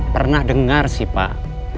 pernah dengar sih pak